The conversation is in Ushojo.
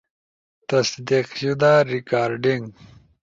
تصدیق شدہ ریکارڈنگ